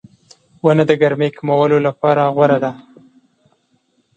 • ونه د ګرمۍ کمولو لپاره غوره ده.